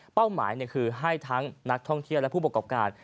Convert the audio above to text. หมายคือให้ทั้งนักท่องเที่ยวและผู้ประกอบการ